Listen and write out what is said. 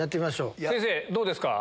先生どうですか？